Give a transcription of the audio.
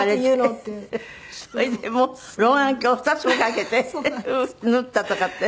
それで老眼鏡２つもかけて縫ったとかって。